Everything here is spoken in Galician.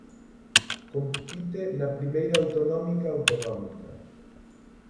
Compite na Primeira Autonómica Autonómica.